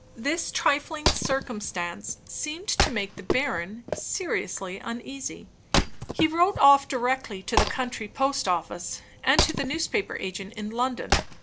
This trifling circumstance seemed to make the baron seriously uneasy. He wrote off directly to the country post office and to the newspaper agent in London.